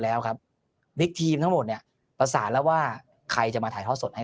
แล้วครับบิ๊กทีมทั้งหมดเนี่ยประสานแล้วว่าใครจะมาถ่ายทอดสดให้